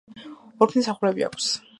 ორფერდა სახურავი აქვს.